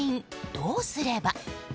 どうすれば？